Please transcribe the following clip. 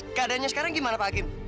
terus keadaannya sekarang gimana pak akim